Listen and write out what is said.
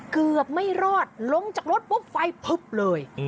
เกือบไม่รอดลงจากรถปุ๊บไฟพึบเลย